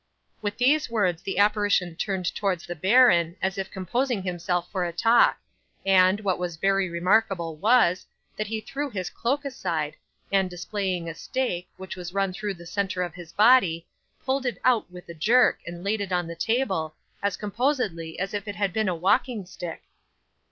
'With these words the apparition turned towards the baron, as if composing himself for a talk and, what was very remarkable, was, that he threw his cloak aside, and displaying a stake, which was run through the centre of his body, pulled it out with a jerk, and laid it on the table, as composedly as if it had been a walking stick.